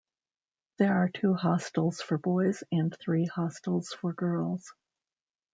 There are two hostels for boys and three hostels for girls.